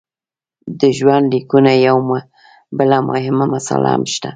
د ژوندلیکونو یوه بله مهمه مساله هم شته.